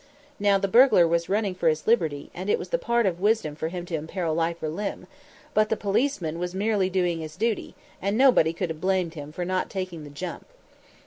Now the burglar was running for his liberty, and it was the part of wisdom for him to imperil life or limb; but the policeman was merely doing his duty, and nobody could have blamed him for not taking the jump.